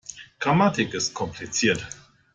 Grammatik ist kompliziert.